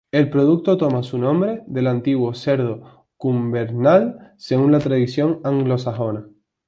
El producto toma su nombre del antiguo cerdo Cumberland, según la tradición anglosajona.